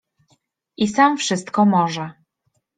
I sam wszystko może.